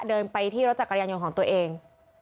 เดินไปที่รถจักรยานยนต์ของตัวเอง